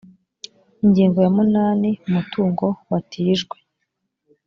ingingo ya munani umutungo watijwe